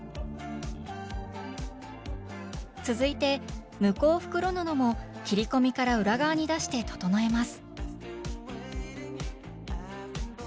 続いて向こう袋布も切り込みから裏側に出して整えます